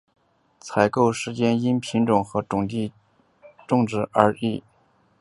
采收时间因品种和种植地点而异。